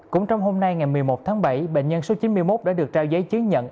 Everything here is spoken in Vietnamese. cũng trong hôm nay ngày một mươi một tháng bảy bệnh nhân số chín mươi một đã được trao giấy chứng nhận